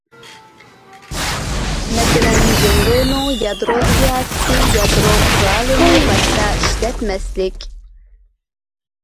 مەسىلەن، جۇڭگونىڭ يادرو سىياسىتى يادرو قورالىنى باشتا ئىشلەتمەسلىك.